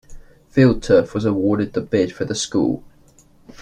FieldTurf was awarded the bid for the school.